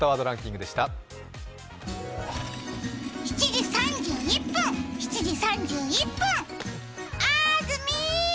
７時３１分、７時３１分、あずみ。